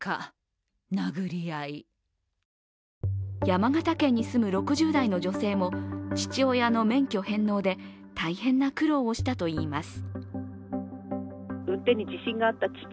山形県に住む６０代の女性も父親の免許返納で大変な苦労をしたといいます。